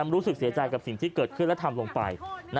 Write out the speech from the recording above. รู้สึกเสียใจกับสิ่งที่เกิดขึ้นและทำลงไป